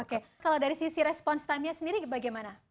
oke kalau dari sisi respons time nya sendiri bagaimana